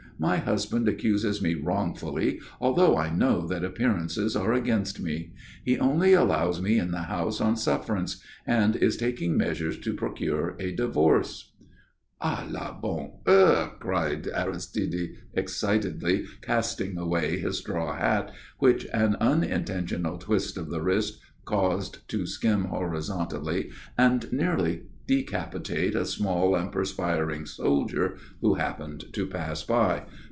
My husband accuses me wrongfully, although I know that appearances are against me. He only allows me in the house on sufferance, and is taking measures to procure a divorce." [Illustration: "MADAME," SAID ARISTIDE, "YOU ARE ADORABLE, AND I LOVE YOU TO DISTRACTION"] "A la bonne heure!" cried Aristide, excitedly casting away his straw hat, which an unintentional twist of the wrist caused to skim horizontally and nearly decapitate a small and perspiring soldier who happened to pass by.